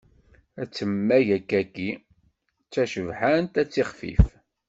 Ad temmag akkayi d tacebḥant, ad tixfif.